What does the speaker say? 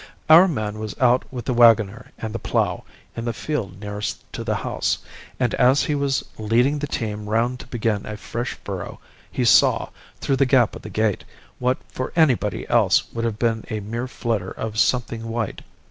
"Our man was out with the waggoner and the plough in the field nearest to the house, and as he was leading the team round to begin a fresh furrow, he saw, through the gap of the gate, what for anybody else would have been a mere flutter of something white.